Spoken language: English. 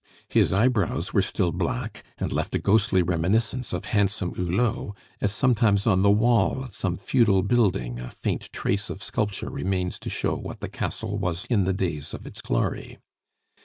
His eyebrows were still black, and left a ghostly reminiscence of Handsome Hulot, as sometimes on the wall of some feudal building a faint trace of sculpture remains to show what the castle was in the days of its glory.